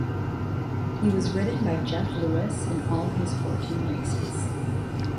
He was ridden by Geoff Lewis in all his fourteen races.